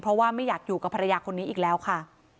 เพราะว่าไม่อยากอยู่กับภรรยาคนนี้อีกแล้วค่ะ